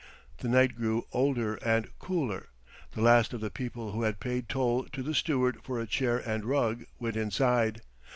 The night grew older and cooler. The last of the people who had paid toll to the steward for a chair and rug went inside.